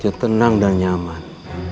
dia tenang dan nyaman